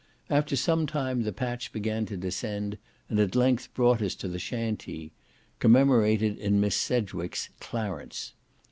After some time the patch began to descend, and at length brought us to the Shantee, commemorated in Miss Sedgwick's Clarence.